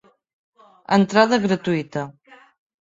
Entrada gratuïta.